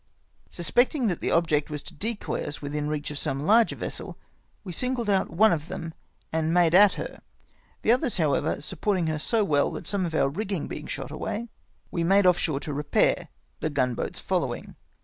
Suspecting that the object Avas to decoy us within reach of some larger vessel, we singled out one of them and made at her, the others, however, supporting her so well that some of our rigging being shot away, we made off shore to repair, the gun boats following.